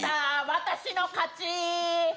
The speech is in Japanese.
私の勝ち。